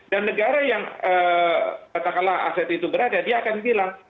dan negara yang katakanlah aset itu berada dia akan bilang